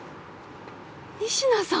仁科さん？